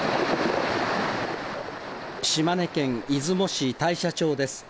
島根県出雲市大社町です。